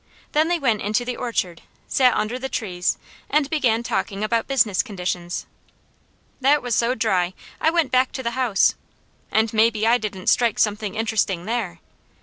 Then they went into the orchard, sat under the trees and began talking about business conditions. That was so dry I went back to the house. And maybe I didn't strike something interesting there!